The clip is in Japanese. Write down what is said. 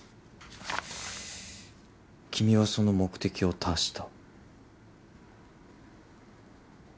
「君はその目的を達した」